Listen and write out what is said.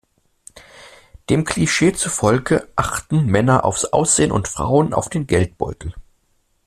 Dem Klischee zufolge achten Männer aufs Aussehen und Frauen auf den Geldbeutel.